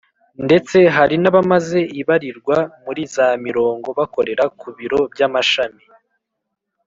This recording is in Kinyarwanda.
Ndetse hari n abamaze ibarirwa muri za mirongo bakorera ku biro by amashami